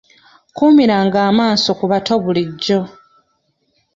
Kuumiranga amaaso ku bato bulijjo.